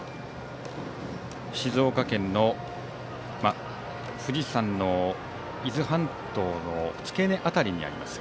静岡県の富士山の伊豆半島の付け根辺りにあります